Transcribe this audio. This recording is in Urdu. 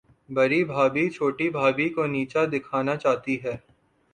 بڑی بھابھی، چھوٹی بھابھی کو نیچا دکھانا چاہتی ہے۔